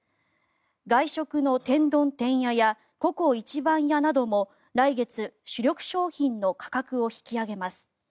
外食の天丼てんややＣｏＣｏ壱番屋なども来月、主力商品の価格を引き上げます。